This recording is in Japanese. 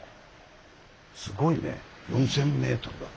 すごいね４，０００ｍだよ。